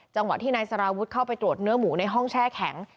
จังหวะที่นายสารวุฒิเข้าไปตรวจเนื้อหมูในห้องแช่แข็ง